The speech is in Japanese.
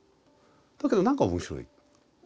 だけど何か面白い。